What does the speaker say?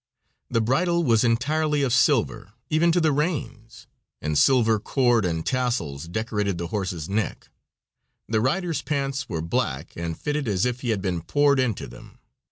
The bridle was entirely of silver, even to the reins, and silver cord and tassels decorated the horse's neck. The rider's pants were black and fitted as if he had been poured into them.